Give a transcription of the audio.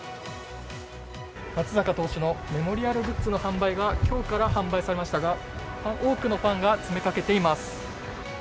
松坂投手のメモリアルグッズが今日から販売されましたが多くのファンが詰めかけています。